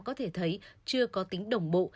có thể thấy chưa có tính đồng bộ